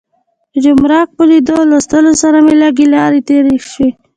د ډنمارک په لیدلو او لوستلو سره مې لږې لاړې تیرې شوې.